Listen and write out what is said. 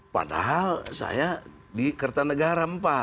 padahal saya di kertanegaram